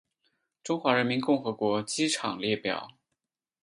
中华人民共和国机场列表